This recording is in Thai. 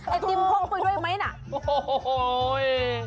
ไอติมพกไปด้วยไหมนะ